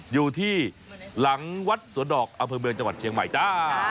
อยู่ที่หลังวัดสวนดอกอำเภอเมืองจังหวัดเชียงใหม่จ้า